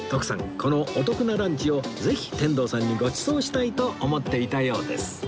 このお得なランチをぜひ天童さんにごちそうしたいと思っていたようです